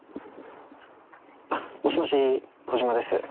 あっ、もしもし、小島です。